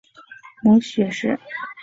母许氏。